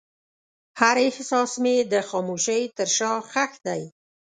هر احساس مې د خاموشۍ تر شا ښخ دی.